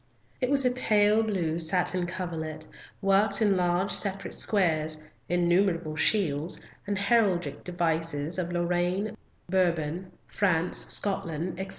It was a pale blue satin coverlet, worked in large separate squares, innumerable shields and heraldic devices of Lorraine, Bourbon, France, Scotland, etc.